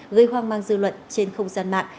gây hoang mang dư luận trên không gian mạng